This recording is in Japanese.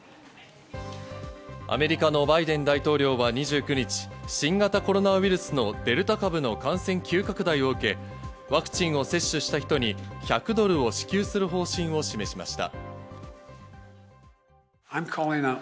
アメリカのバイデン大統領は２９日、新型コロナウイルスのデルタ株の感染急拡大を受け、ワクチンを接種した人に１００ドルを支給する方針を示しました。